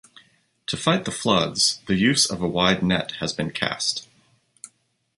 To fight the floods the use of a Wide Net has been cast.